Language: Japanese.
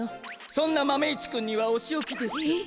そんなマメ１くんにはおしおきです。え？